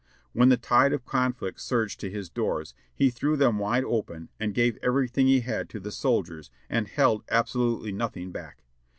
When the tide of conflict surged to his doors he threw them wide open and gave everything he had to the soldiers and held absolutely nothing back.